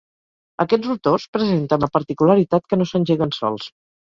Aquests rotors presenten la particularitat que no s'engeguen sols.